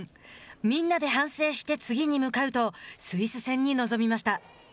みんなで反省して次に向かうとスイス戦に臨みました。